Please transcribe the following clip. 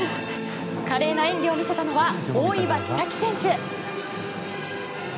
華麗な演技を見せたのは大岩千未来選手。